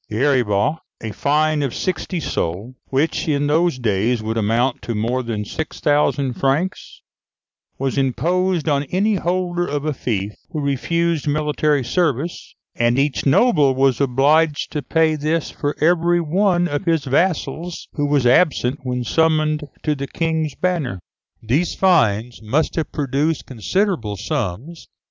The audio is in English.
The heriban, a fine of sixty sols which in those days would amount to more than 6,000 francs was imposed on any holder of a fief who refused military service, and each noble was obliged to pay this for every one of his vassals who was absent when summoned to the King's banner. These fines must have produced considerable sums.